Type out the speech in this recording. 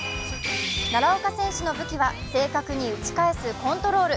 奈良岡選手の武器は正確に打ち返すコントロール。